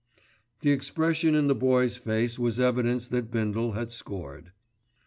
The expression in the Boy's face was evidence that Bindle had scored.